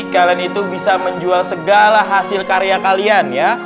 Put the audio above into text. kalian itu bisa menjual segala hasil karya kalian ya